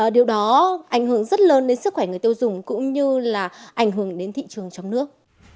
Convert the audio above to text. điều đó ảnh hưởng rất lớn đến sức khỏe người tiêu dùng cũng như là ảnh hưởng đến thị trường trong nước